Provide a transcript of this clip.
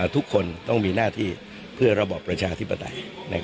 ทุกคนต้องมีหน้าที่เพื่อระบอบประชาธิปไตย